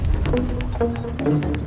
saya tak tahu